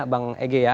bang ege ya